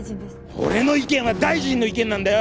俺の意見は大臣の意見なんだよ。